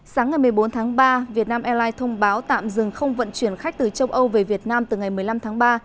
sáng ngày một mươi bốn tháng ba vietnam airlines thông báo tạm dừng không vận chuyển khách từ châu âu về việt nam từ ngày một mươi năm tháng ba